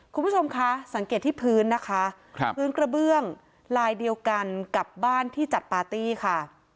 คุณผู้ชมคะสังเกตที่พื้นนะคะพื้นกระเบื้องลายเดียวกันกับบ้านที่จัดปาร์ตี้ค่ะ